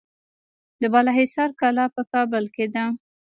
د بالاحصار کلا په کابل کې ده